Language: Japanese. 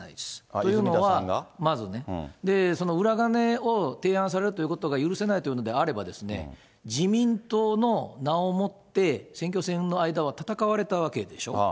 というのは、まずね、その裏金を提案されるということが許せないというのであれば、自民党の名をもって、選挙戦の間は戦われたわけでしょ。